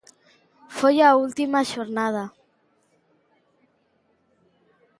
Foi a última xornada.